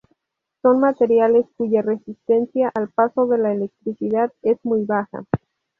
Son materiales cuya resistencia al paso de la electricidad es muy baja.